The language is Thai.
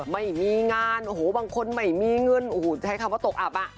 ไม่มีงานโอ้โหบางคนไม่มีเงินโอ้โหใช้คำว่าตกอับอ่ะ